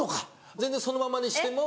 全然そのままにしても。